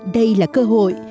đây là cơ hội